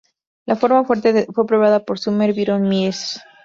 La forma fuerte fue probada por Sumner Byron Myers.